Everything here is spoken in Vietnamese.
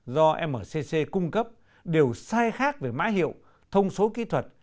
do mcc cung cấp đều sai khác về mã hiệu thông số kỹ thuật